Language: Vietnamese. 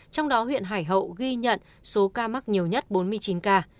trong đó huyện hải hậu ghi nhận số ca mắc nhiều nhất bốn mươi chín ca